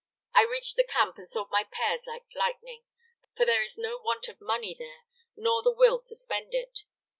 I reached the camp and sold my pears like lightning, for there is no want of money there, nor of the will to spend it.